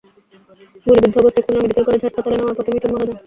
গুলিবিদ্ধ অবস্থায় Khulna medical college হাসপাতালে নেওয়ার পথে মিঠুন মারা যান।